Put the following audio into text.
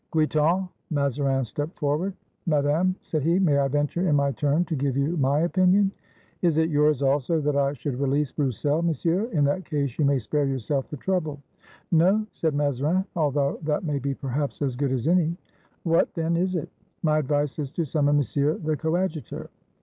Guitant!" Mazarin stepped forward. "Madame," said he, "may I venture in my turn to give you my opinion?" "Is it yours also that I should release Broussel, Monsieur? In that case you may spare yourself the trouble." "No," said Mazarin; "although that may be perhaps as good as any," "What, then, is it?" "My advice is to summon Monsieur the Coadjutor."